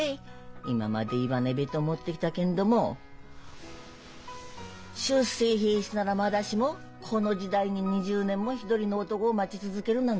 今まで言わねべと思ってきたけんども出征兵士ならまだしもこの時代に２０年も１人の男待ち続けるなんぞ。